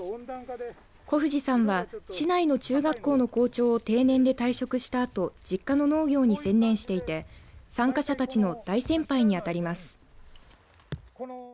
小藤さんは市内の中学校の校長を定年で退職したあと実家の農業に専念していて参加者たちの大先輩に当たります。